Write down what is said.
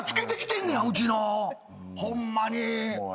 ホンマに。